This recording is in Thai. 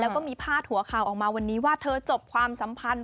แล้วก็มีพาดหัวข่าวออกมาวันนี้ว่าเธอจบความสัมพันธ์